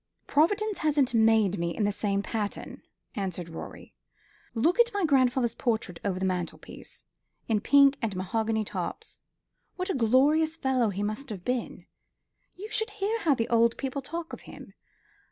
"Providence hasn't made me in the same pattern," answered Rorie. "Look at my grandfather's portrait over the mantelpiece, in pink and mahogany tops. What a glorious fellow he must have been. You should hear how the old people talk of him.